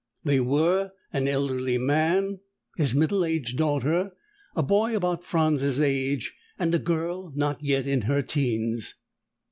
They were an elderly man, his middle aged daughter, a boy about Franz's age and a girl not yet in her teens.